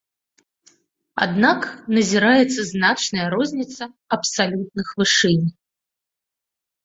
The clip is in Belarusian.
Аднак назіраецца значная розніца абсалютных вышынь.